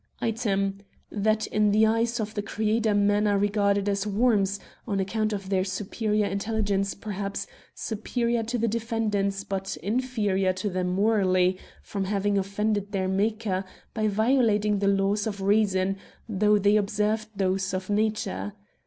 " Item^ That in the eyes of the Creator men are regarded as * worms '; on account of their superior intelligence, perhaps superior to the defendants, but inferior to them morally, from having offended their Maker, by violating the laws of reason, though they observed those of nature.